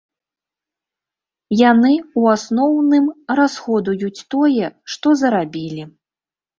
Яны, у асноўным, расходуюць тое, што зарабілі.